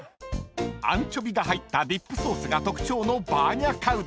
［アンチョビが入ったディップソースが特徴のバーニャカウダ。